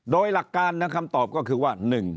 โดยหลักการคำตอบก็คือว่า